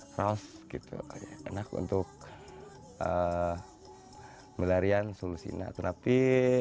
kraus gitu ohh enak untuk melarian solu sina terapi